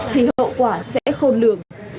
thì hậu quả sẽ khôn lường